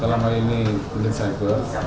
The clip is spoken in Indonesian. dalam hal ini penyidik